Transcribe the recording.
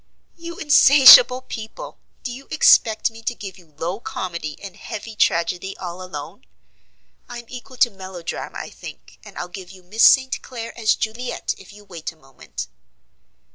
"You insatiable people! do you expect me to give you low comedy and heavy tragedy all alone? I'm equal to melodrama I think, and I'll give you Miss St. Clair as Juliet, if you wait a moment."